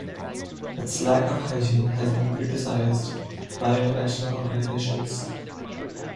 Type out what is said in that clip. Its lack of hygiene has been criticized by international organisations.